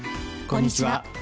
こんにちは。